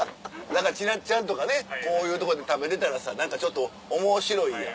だからちなっちゃんとかねこういうとこで食べれたらさ何かちょっと面白いやん。